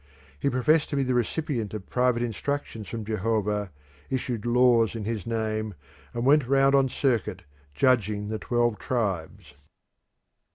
He professed to be the recipient of private instructions from Jehovah, issued laws in his name, and went round on circuit judging the twelve tribes.